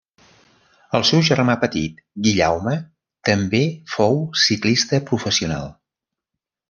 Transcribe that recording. El seu germà petit Guillaume també fou ciclista professional.